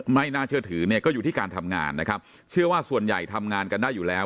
ไม่น่าเชื่อถือเนี่ยก็อยู่ที่การทำงานนะครับเชื่อว่าส่วนใหญ่ทำงานกันได้อยู่แล้ว